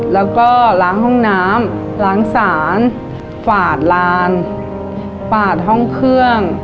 แล้วก็ล้างห้องน้ำล้างสารฝาดลานฝาดห้องเครื่อง